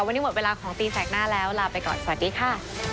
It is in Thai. วันนี้หมดเวลาของตีแสกหน้าแล้วลาไปก่อนสวัสดีค่ะ